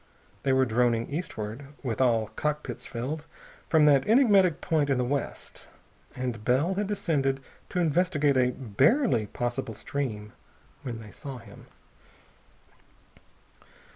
They were droning eastward, with all cockpits filled, from that enigmatic point in the west. And Bell had descended to investigate a barely possible stream when they saw him.